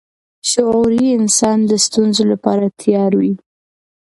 شعوري انسان د ستونزو لپاره تیار وي.